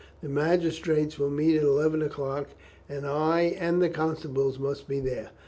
The magistrates will meet at eleven o'clock, and I and the constables must be there.